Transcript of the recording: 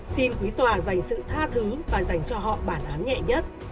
xin quý tòa dành sự tha thứ và dành cho họ bản án nhẹ nhất